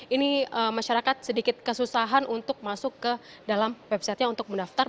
ini masyarakat sedikit kesusahan untuk masuk ke dalam websitenya untuk mendaftar